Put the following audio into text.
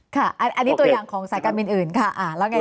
ค่ะอันนี้ตัวอย่างของสายการบินอื่นค่ะแล้วไง